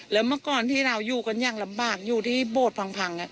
แล้วเมื่อก่อนที่เราอยู่กันอย่างลำบากอยู่ที่โบสถพัง